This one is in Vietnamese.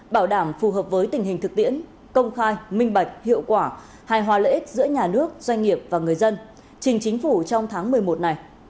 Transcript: bảo đảm phù hợp với tình hình thực tiễn công khai minh bạch hiệu quả hài hòa lợi ích giữa nhà nước doanh nghiệp và người dân trình chính phủ trong tháng một mươi một này